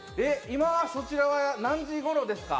今そちらは何時頃ですか？